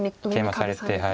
ケイマされて。